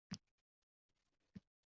Shu-shu, Zumrad bilan do‘st bo‘ldi.